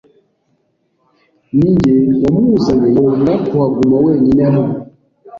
Ninjye wamuzanye yanga kuhaguma wenyine hano?